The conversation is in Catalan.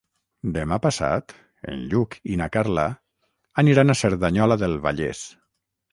Demà passat en Lluc i na Carla aniran a Cerdanyola del Vallès.